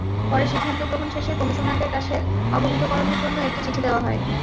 পরে সিদ্ধান্ত গ্রহণ শেষে কমিশনারদের কাছে অবহিতকরণের জন্য একটি চিঠি দেওয়া হয়।